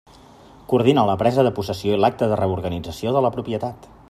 Coordina la presa de possessió i l'acta de reorganització de la propietat.